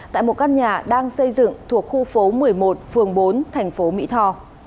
tại một căn nhà đang xây dựng thuộc khu phố một mươi một phường bốn thành phố mỹ tho